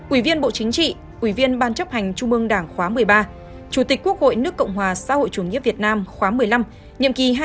ủy viên bộ chính trị ủy viên ban chấp hành trung ương đảng khóa một mươi ba chủ tịch quốc hội nước cộng hòa xã hội chủ nghĩa việt nam khóa một mươi năm nhiệm kỳ hai nghìn một mươi sáu hai nghìn hai mươi